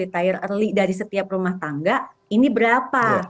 tire early dari setiap rumah tangga ini berapa